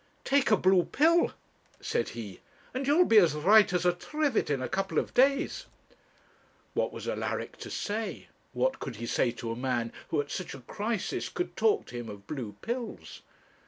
'Take a blue pill,' said he, 'and you'll be as right as a trivet in a couple of days.' What was Alaric to say? What could he say to a man who at such a crisis could talk to him of blue pills?